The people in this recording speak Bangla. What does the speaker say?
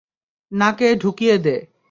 নাকে ঢুকিয়ে দে।